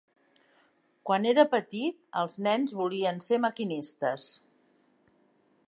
Quan era petit, els nens volien ser maquinistes.